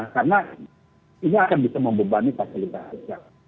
karena ini akan bisa membebani fasilitas